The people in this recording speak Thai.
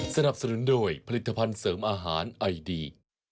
สนับสนุนโดยผลิตภัณฑ์เสริมอาหารไอดี